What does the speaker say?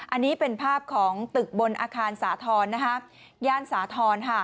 อันนี้เป็นภาพของตึกบนอาคารสาธรณ์ย่านสาธรณ์